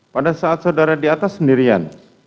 pada saat saudara di atas sendirian